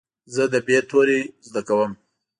زه د "ب" توری زده کوم.